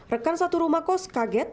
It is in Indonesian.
rekan satu rumah kos kaget